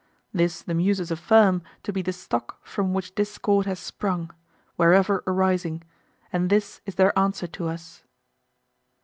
This the Muses affirm to be the stock from which discord has sprung, wherever arising; and this is their answer to us.